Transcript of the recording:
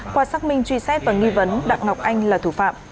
qua xác minh truy xét và nghi vấn đặng ngọc anh là thủ phạm